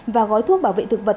và gói thuốc bảo vệ thực vật